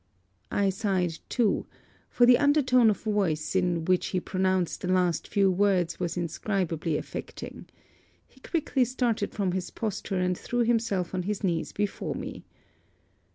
I sighed too: for the under tone of voice in which he pronounced the last few words was in scribably affecting. He quickly started from this posture, and threw himself on his knees before me.